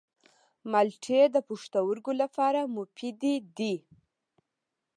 مالټې د پښتورګو لپاره مفیدې دي.